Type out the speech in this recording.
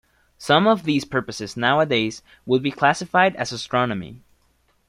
Some of these purposes nowadays would be classified as astronomy.